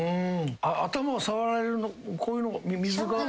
頭を触られるのこういうの水が。